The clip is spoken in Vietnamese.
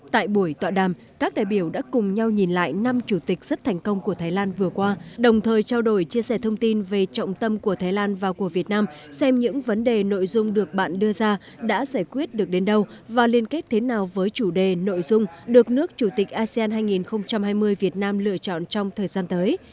tại buổi tọa đàm các đại biểu đã cùng nhau nhìn lại năm chủ tịch rất thành công của thái lan vừa qua đồng thời trao đổi chia sẻ thông tin về trọng tâm của thái lan và của việt nam xem những vấn đề nội dung được bạn đưa ra đã giải quyết được đến đâu và liên kết thế nào với chủ đề nội dung được nước chủ tịch asean hai nghìn hai mươi việt nam lựa chọn trong thời gian tới